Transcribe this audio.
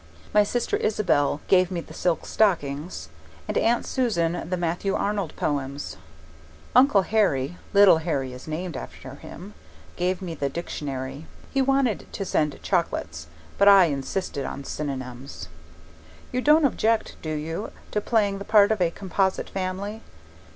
My sister Isabel gave me the silk stockings, and Aunt Susan the Matthew Arnold poems; Uncle Harry (little Harry is named after him) gave me the dictionary. He wanted to send chocolates, but I insisted on synonyms. You don't object, do you, to playing the part of a composite family?